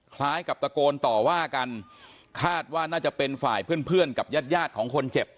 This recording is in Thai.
คล้ายกับตะโกนต่อว่ากันคาดว่าน่าจะเป็นฝ่ายเพื่อนเพื่อนกับญาติยาดของคนเจ็บ